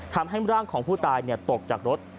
ทำให้ร่างของผู้ตายตกจากรถ